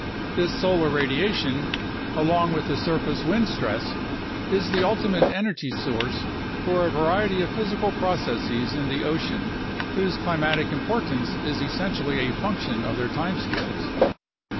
This solar radiation, along with the surface wind stress, is the ultimate energy source for a variety of physical processes in the ocean whose climatic importance is essentially a function of their time scales.